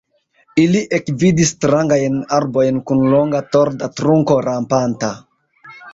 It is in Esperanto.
Ili ekvidis strangajn arbojn kun longa torda trunko rampanta.